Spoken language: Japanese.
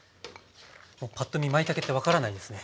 パッと見まいたけって分からないですね。